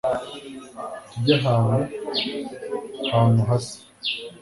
tujye ahantu hantu hasa